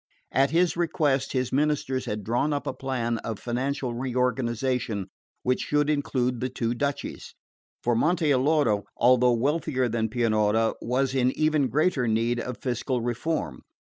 At his request his ministers had drawn up a plan of financial reorganisation, which should include the two duchies; for Monte Alloro, though wealthier than Pianura, was in even greater need of fiscal reform.